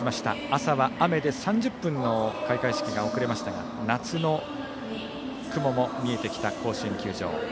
朝は雨で３０分の開会式が遅れましたが夏の雲も見えてきた甲子園球場。